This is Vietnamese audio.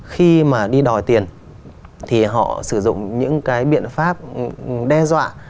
khi mà đi đòi tiền thì họ sử dụng những cái biện pháp đe dọa